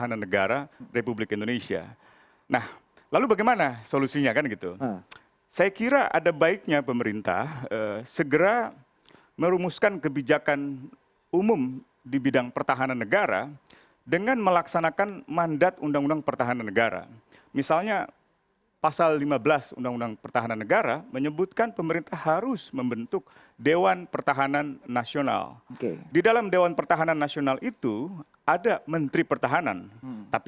apakah memang pengetahuannya itu di atas rata rata